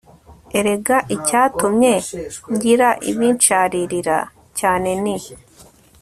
Erega icyatumye ngira ibinsharirira cyane ni